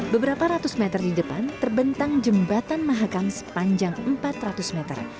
beberapa ratus meter di depan terbentang jembatan mahakam sepanjang empat ratus meter